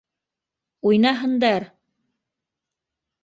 Уйнаһындар!